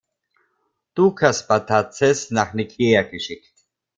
Dukas Batatzes nach Nikäa geschickt.